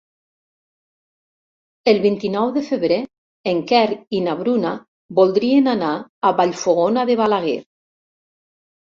El vint-i-nou de febrer en Quer i na Bruna voldrien anar a Vallfogona de Balaguer.